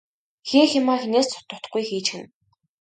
Хийх юмаа хэнээс ч дутахгүй хийчихнэ.